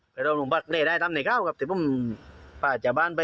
ก็พบฝราบาล